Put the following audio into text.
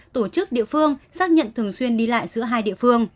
tổ chức địa phương xác nhận thường xuyên đi lại giữa hai địa phương